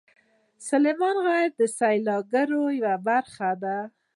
سلیمان غر د سیلګرۍ یوه برخه ده.